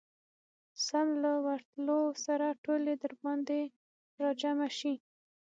سم له ورتلو سره ټولې درباندي راجمعه شي.